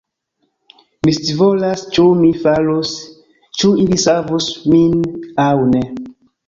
Mi scivolas ĉu mi falus, ĉu ili savus min aŭ ne